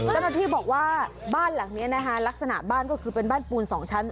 เจ้าหน้าที่บอกว่าบ้านหลังนี้นะคะลักษณะบ้านก็คือเป็นบ้านปูน๒ชั้น